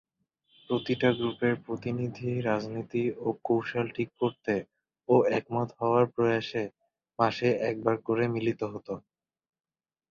প্রতিটা গ্রুপের প্রতিনিধি রাজনীতি ও কৌশল ঠিক করতে ও একমত হওয়ার প্রয়াসে মাসে একবার করে মিলিত হত।